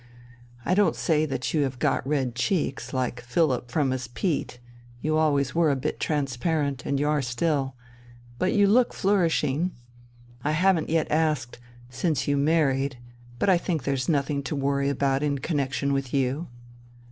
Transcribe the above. I don't say that you have got red cheeks, like Philipp from his peat; you always were a bit transparent, and you are still. But you look flourishing. I haven't yet asked, since you married, but I think there's nothing to worry about in connexion with you."